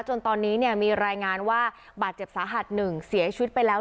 จนตอนนี้มีรายงานว่าบาดเจ็บสาหัส๑เสียชีวิตไปแล้ว๑